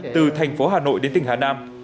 từ thành phố hà nội đến tỉnh hà nam